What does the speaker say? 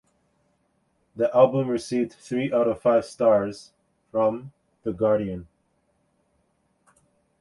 The album received three out of five stars from "The Guardian".